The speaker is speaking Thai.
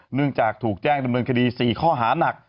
เนื่องจากถูกแจ้งดำเนินคดี๔ข้อหานัก